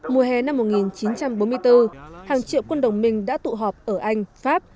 mùa hè năm một nghìn chín trăm bốn mươi bốn hàng triệu quân đồng minh đã tụ họp ở anh pháp